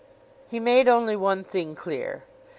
He made only one thing clear.